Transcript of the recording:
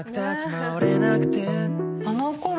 あのころ。